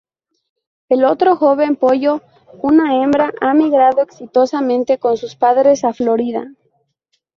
El otro joven pollo, una hembra, ha migrado exitosamente con sus padres a Florida.